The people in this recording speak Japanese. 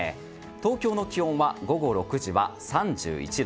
東京の気温は午後６時は３１度。